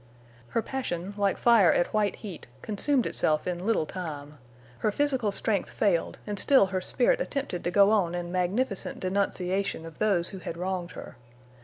Her passion, like fire at white heat, consumed itself in little time. Her physical strength failed, and still her spirit attempted to go on in magnificent denunciation of those who had wronged her.